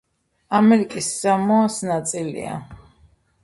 ამერიკის სამოას ნაწილია.